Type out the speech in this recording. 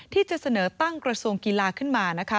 ที่จะเสนอตั้งกระทรวงกีฬาขึ้นมานะคะ